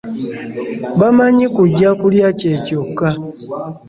Bamanyi kujja kulya kye kyokka.